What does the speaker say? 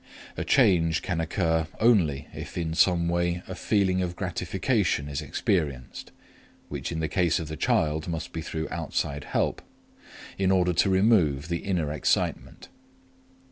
A change can occur only if in some way a feeling of gratification is experienced which in the case of the child must be through outside help in order to remove the inner excitement.